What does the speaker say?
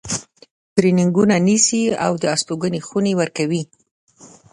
ترینینګونه نیسي او د استوګنې خونې ورکوي.